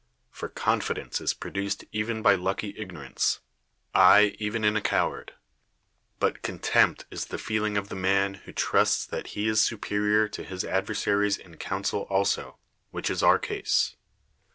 For co7ifidcnce is produced even by lucky ignorance, ay, even in a coward ; but contempt is PERICLES the feeling of the man who trusts that he is su perior to his adversaries in counsel also, which is our case.